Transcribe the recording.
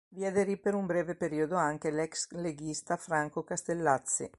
Vi aderì per un breve periodo anche l'ex leghista Franco Castellazzi.